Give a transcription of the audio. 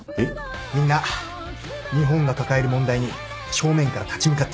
みんな日本が抱える問題に正面から立ち向かってる。